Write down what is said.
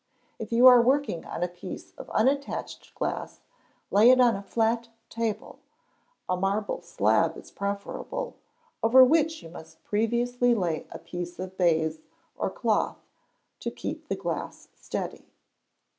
If you are working on a piece of unattached glass, lay it on a flat table (a marble slab is preferable), over which you must previously lay a piece of baize or cloth to keep the glass steady.